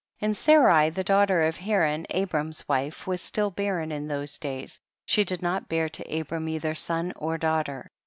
23. And Sarai the daughter of Haran, Abram's wife, was still bar ren in those days, she did not bear to Abram either son or daughter.